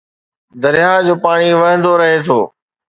درياهه جو پاڻي وهندو رهي ٿو